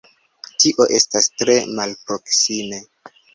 Tio estas tre malproksime.